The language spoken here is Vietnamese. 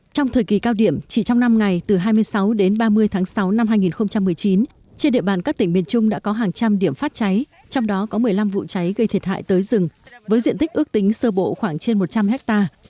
trong thời kỳ cao điểm chỉ trong năm ngày từ hai mươi sáu đến ba mươi tháng sáu năm hai nghìn một mươi chín trên địa bàn các tỉnh miền trung đã có hàng trăm điểm phát cháy trong đó có một mươi năm vụ cháy gây thiệt hại tới rừng với diện tích ước tính sơ bộ khoảng trên một trăm linh ha